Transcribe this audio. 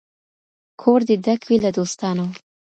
کور دي ډک وي له دوستانو